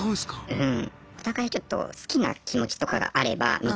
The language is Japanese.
うん。